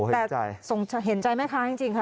แต่เห็นใจไหมคะจริงค่ะ